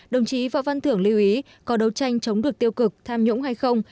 đồng chí võ văn thưởng lưu ý có đấu tranh chống được tiêu cực tham nhũng hay không